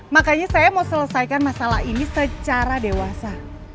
makanya saya mau selesaikan masalah ini secara dewasa